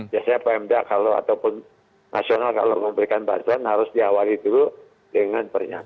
biasanya pmda kalau ataupun nasional kalau memberikan bantuan harus diawali dulu dengan pernyataan